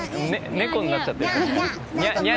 猫になっちゃってる。